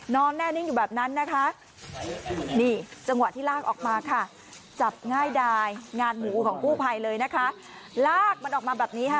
นอนแน่นิ่งอยู่แบบนั้นนะคะ